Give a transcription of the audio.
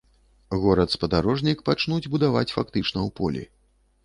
Горад-спадарожнік пачнуць будаваць фактычна ў полі.